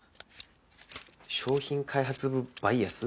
商品開発部バイアス？